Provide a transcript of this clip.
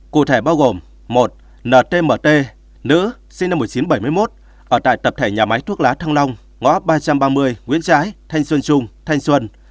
cụ thể bao gồm một ntmt nữ sinh năm một nghìn chín trăm bảy mươi một ở tại tập thể nhà máy thuốc lá thăng long ngõ ba trăm ba mươi nguyễn trãi thanh xuân trung thanh xuân